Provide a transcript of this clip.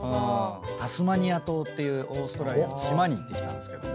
ていうオーストラリアの島に行ってきたんですけども。